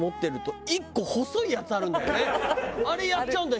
あれやっちゃうんだよ。